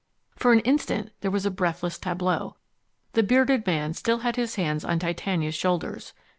For an instant there was a breathless tableau. The bearded man still had his hands on Titania's shoulders.